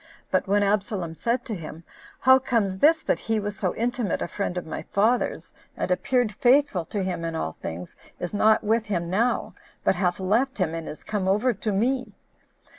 But when Absalom said to him, "How comes this, that he who was so intimate a friend of my father's, and appeared faithful to him in all things, is not with him now, but hath left him, and is come over to me?"